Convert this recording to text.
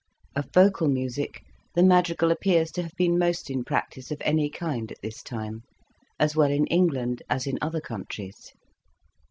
Of vocal music the madrigal appears to have been most in practice of any kind at this time, as well in England as in other countries.